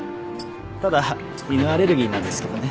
ただ犬アレルギーなんですけどね。